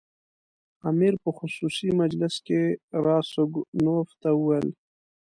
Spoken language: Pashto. امیر په خصوصي مجلس کې راسګونوف ته وویل.